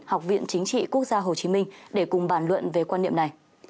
học viện chính trị quốc gia hồ chí minh để cùng bàn luận về quan niệm này